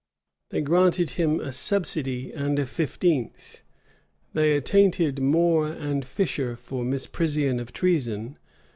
They granted him a subsidy and a fifteenth. They attainted More and Fisher for misprision of treason.